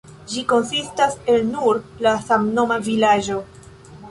Ĝi konsistas el nur la samnoma vilaĝo.